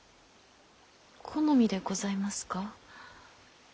好みでございますか？